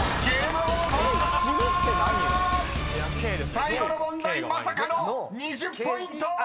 ［最後の問題まさかの２０ポイント！］